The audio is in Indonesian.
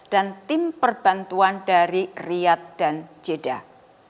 dan tim perbantuan dari riyad dan jeddah